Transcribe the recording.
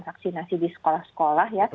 vaksinasi di sekolah sekolah